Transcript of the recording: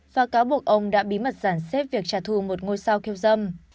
và cáo buộc ông đã bí mật giản xếp việc trả thù một ngôi sao khiêu dâm